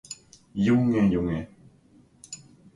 Junge, Junge.